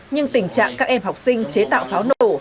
nhưng tình trạng các em học sinh chế tạo pháo nổ